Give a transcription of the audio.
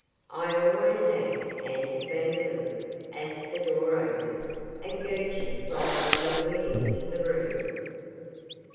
'I always am,' answered Vandeloup, as the door opened, and Gurchy rolled slowly into the room.